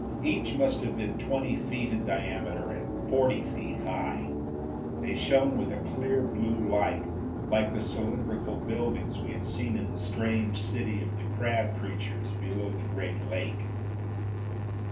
Each must have been twenty feet in diameter, and forty high. They shone with a clear blue light, like the cylindrical buildings we had seen in the strange city of the crab creatures below the great lake.